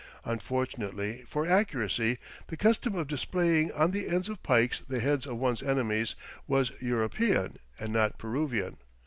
Unfortunately for accuracy, the custom of displaying on the ends of pikes the heads of one's enemies was European and not Peruvian.